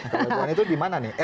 kalau itu dimana nih